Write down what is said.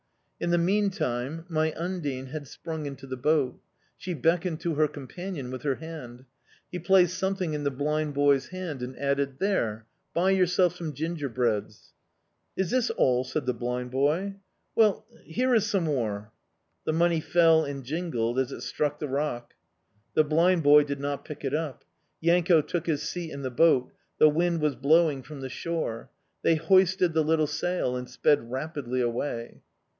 In the meantime my Undine had sprung into the boat. She beckoned to her companion with her hand. He placed something in the blind boy's hand and added: "There, buy yourself some gingerbreads." "Is this all?" said the blind boy. "Well, here is some more." The money fell and jingled as it struck the rock. The blind boy did not pick it up. Yanko took his seat in the boat; the wind was blowing from the shore; they hoisted the little sail and sped rapidly away.